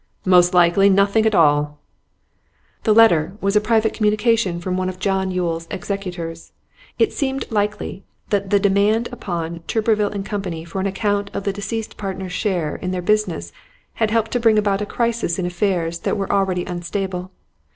'Most likely nothing at all.' The letter was a private communication from one of John Yule's executors. It seemed likely that the demand upon Turberville & Co. for an account of the deceased partner's share in their business had helped to bring about a crisis in affairs that were already unstable.